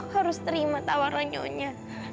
harus terima tawaran nyonya